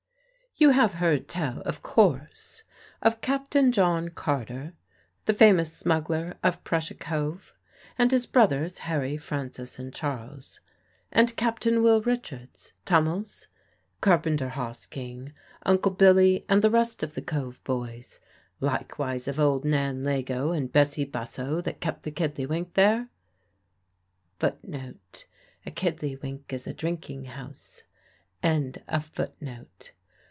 You have heard tell, of course, of Captain John Carter, the famous smuggler of Prussia Cove, and his brothers Harry, Francis, and Charles, and Captain Will Richards, "Tummels," Carpenter Hosking, Uncle Billy, and the rest of the Cove boys; likewise of old Nan Leggo and Bessie Bussow that kept the Kiddlywink there?